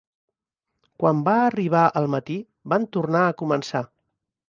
Quan va arribar el matí van tornar a començar.